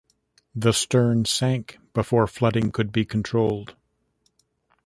The stern sank before flooding could be controlled.